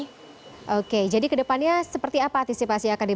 kalau seandainya pada masa penerbangan di covid ini sendiri